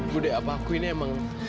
budaya apa aku ini emang